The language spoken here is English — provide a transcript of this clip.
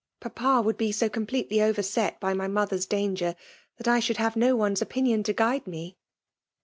Papa would be so completely overset by my mothers danger, that I should have no one's opinion to guide me."